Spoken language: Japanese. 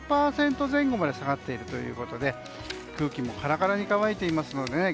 ２０％前後まで下がっているということで空気もカラカラに乾いていますので。